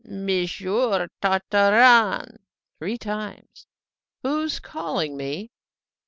"Monsieur Tartarin!" three times. "Who's calling me?"